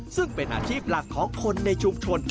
ซึ่งเป็นอาชีพหลักของคนในชุมชน